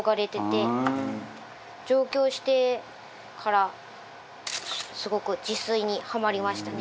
上京してからすごく自炊にハマりましたね。